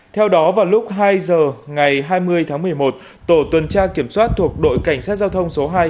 theo đó vào lúc hai giờ ngày hai mươi tháng một mươi một tổ tuần tra kiểm soát thuộc đội cảnh sát giao thông số hai